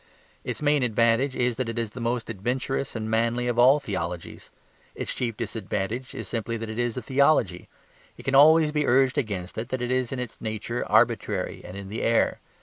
Its main advantage is that it is the most adventurous and manly of all theologies. Its chief disadvantage is simply that it is a theology. It can always be urged against it that it is in its nature arbitrary and in the air.